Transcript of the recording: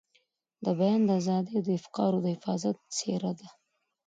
د بیان د ازادۍ او افکارو د حفاظت څېره ده.